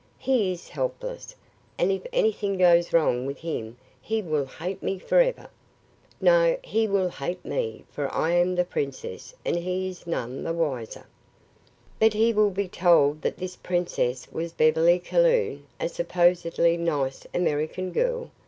He is helpless, and if anything goes wrong with him he will hate me forever." "No; he will hate me for I am the princess and he is none the wiser." "But he will be told that his princess was Beverly Calhoun, a supposedly nice American girl.